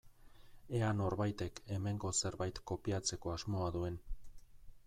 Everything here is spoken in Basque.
Ea norbaitek hemengo zerbait kopiatzeko asmoa duen.